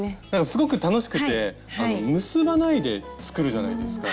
すごく楽しくて結ばないで作るじゃないですか？